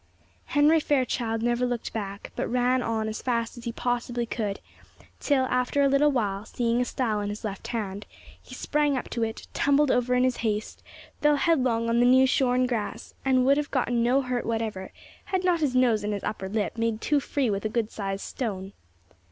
Henry Fairchild never looked back, but ran on as fast as he possibly could, till, after a little while, seeing a stile on his left hand, he sprang up to it, tumbled over in his haste, fell headlong on the new shorn grass, and would have gotten no hurt whatever, had not his nose and his upper lip made too free with a good sized stone.